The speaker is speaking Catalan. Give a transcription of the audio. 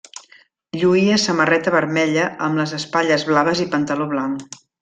Lluïa samarreta vermella amb les espatlles blaves i pantaló blanc.